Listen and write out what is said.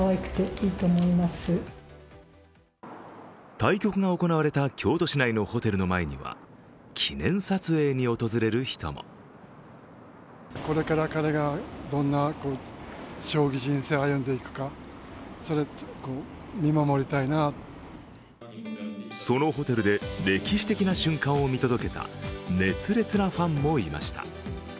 対局が行われた京都市内のホテルの前には記念撮影に訪れる人もそのホテルで歴史的な瞬間を見届けた熱烈なファンもいました。